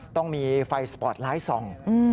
ต้องมีไฟสปอร์ตไลท์ส่อง